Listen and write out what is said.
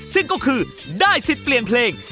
ซึ่งก็คือได้สิทธิ์เปลี่ยนเพลง